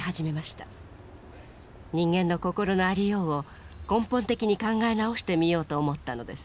人間の心のありようを根本的に考え直してみようと思ったのです。